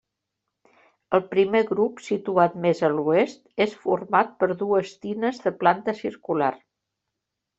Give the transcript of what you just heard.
El primer grup, situat més a l'oest, és format per dues tines de planta circular.